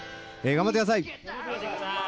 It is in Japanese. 頑張って下さい。